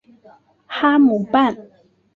哈姆畔。